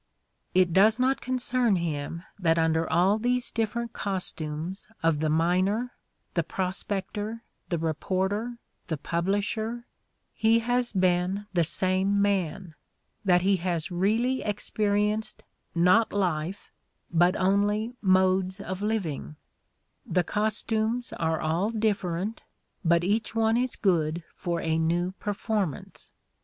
It does not concern him that under all these different costumes of the miner, the prospector, the reporter, the publisher, he has been the same man, that he has really experienced not life but only modes of living: the costumes are all different, and each one is good for a new performance.